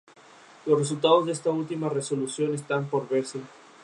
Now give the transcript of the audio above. Ha sido, hasta la fecha, la única mujer gobernadora de Utah.